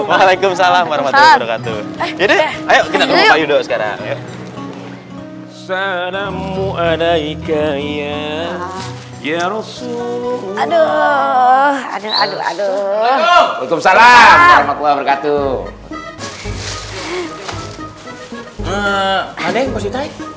aduh aduh aduh aduh